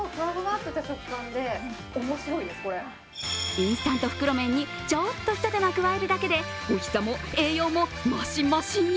インスタント袋麺にちょっとひと手間加えるだけでおいしさも栄養もマシマシに。